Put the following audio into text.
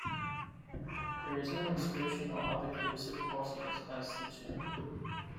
There is no inscription or other clue supporting it as the tomb.